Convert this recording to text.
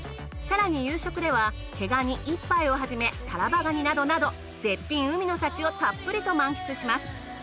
更に夕食では毛ガニ１杯をはじめタラバガニなどなど絶品海の幸をたっぷりと満喫します。